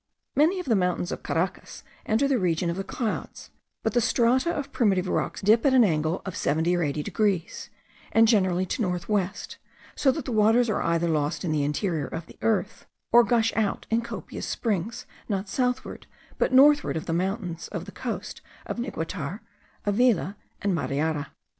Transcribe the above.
Many of the mountains of Caracas enter the region of the clouds; but the strata of primitive rocks dip at an angle of 70 or 80 degrees, and generally to northwest, so that the waters are either lost in the interior of the earth, or gush out in copious springs not southward but northward of the mountains of the coast of Niguatar, Avila, and Mariara.